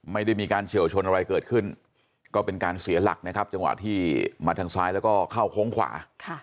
ไม่ได้มีการเฉียวชนอะไรเกิดขึ้นก็เป็นการเสียหลักนะครับจังหวะที่มาทางซ้ายแล้วก็เข้าโค้งขวา